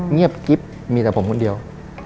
เงียบกิ๊บมีแต่ผมคนเดียว